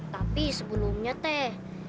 tapi sebelumnya teh